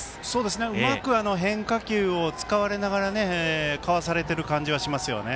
うまく変化球を使われながらかわされてる感じはしますよね。